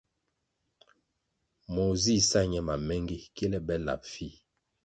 Moh zih sa ñe mamengi kile be lap fih.